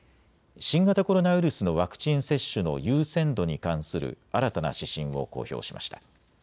新型コロナウイルスのワクチン接種の優先度に関する新たな指針を公表しました。